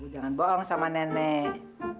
eh gue jangan bohong sama nenek